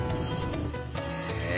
へえ。